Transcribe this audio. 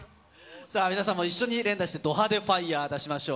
皆さんも一緒に連打して、ど派手なファイヤーを出しましょう。